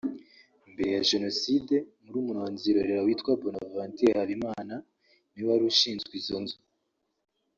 Mbere ya Jenoside murumuna wa Nzirorera witwa Bonaventure Habimana niwe wari ushinzwe izo nzu